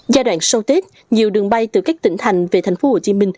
giai đoạn sau tết nhiều đường bay từ các tỉnh thành về tp hcm